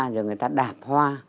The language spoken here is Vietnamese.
rồi người ta đạp hoa